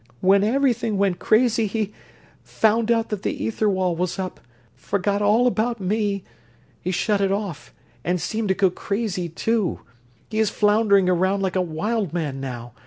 "When everything went crazy he ... found out that the ether wall was up ... forgot all about me. He shut it off ... and seemed to go crazy, too ... he is floundering around like a wild man now....